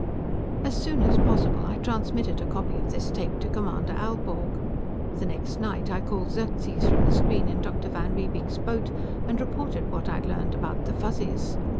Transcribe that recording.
"As soon as possible, I transmitted a copy of this tape to Commander Aelborg. The next night, I called Xerxes from the screen on Dr. van Riebeek's boat and reported what I'd learned about the Fuzzies.